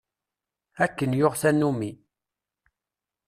Akken yuɣ tanumi.